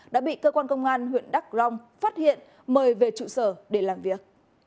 đã bị cơ quan công an huyện đắk long phát hiện mời về trụ sở để làm việc